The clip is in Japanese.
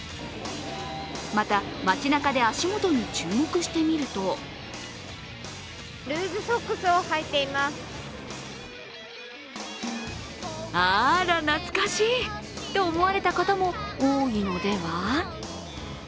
また街なかで足元に注目してみるとあら、懐かしいと思われた方も多いのでは？